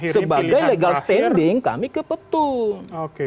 sebagai legal standing kami ke petun